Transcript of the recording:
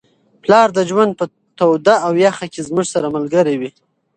پلار د ژوند په توده او یخه کي زموږ سره ملګری وي.